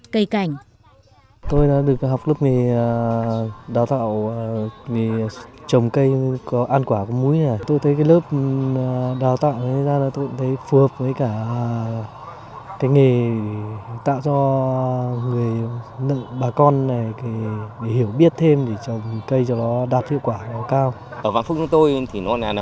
bà con nhân dân trồng cây ăn quả cây cảnh